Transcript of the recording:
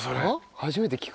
初めて聞く。